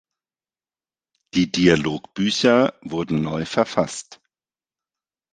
Die Dialogbücher wurden neu verfasst.